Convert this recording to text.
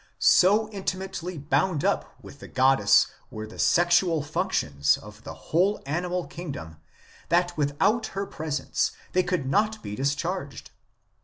So intimately bound up with the goddess were the sexual functions of the whole animal kingdom that without her presence they could not be dis charged.